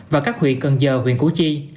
và các huyện cần giờ huyện cú chi